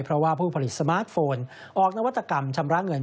เพราะว่าผู้ผลิตสมาร์ทโฟนออกนวัตกรรมชำระเงิน